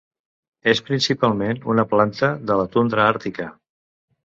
És principalment una planta de la tundra àrtica.